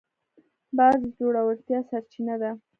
باز د زړورتیا سرچینه ده